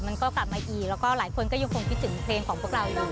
มันก็กลับมาอีกแล้วก็หลายคนก็ยังคงคิดถึงเพลงของพวกเราอยู่